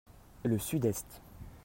Le sud-est.